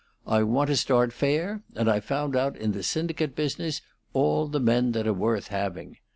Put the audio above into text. I want to start fair, and I've found out in the syndicate business all the men that are worth having.